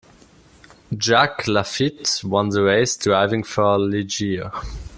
Jacques Laffite won the race driving for Ligier.